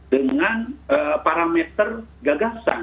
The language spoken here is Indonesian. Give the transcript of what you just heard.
dengan parameter gagasan